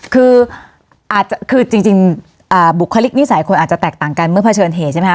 คืออาจจะคือจริงบุคลิกนิสัยคนอาจจะแตกต่างกันเมื่อเผชิญเหตุใช่ไหมค